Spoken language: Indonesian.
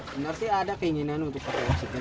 sebenarnya ada keinginan untuk pakai oksigen